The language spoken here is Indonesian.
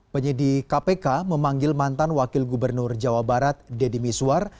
penyidik kpk memanggil mantan wakil gubernur jawa barat deddy miswar